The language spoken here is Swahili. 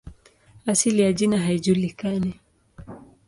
Asili ya jina haijulikani.